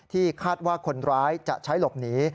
คาดว่าคนร้ายจะใช้หลบหนี